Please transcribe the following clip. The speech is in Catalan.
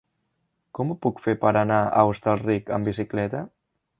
Com ho puc fer per anar a Hostalric amb bicicleta?